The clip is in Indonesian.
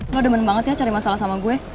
gue demen banget ya cari masalah sama gue